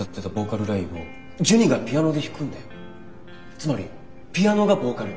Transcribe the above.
つまりピアノがボーカル。